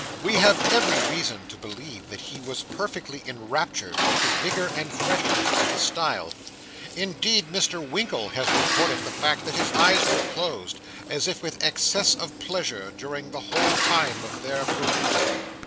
We have every reason to believe that he was perfectly enraptured with the vigour and freshness of the style; indeed Mr. Winkle has recorded the fact that his eyes were closed, as if with excess of pleasure, during the whole time of their perusal.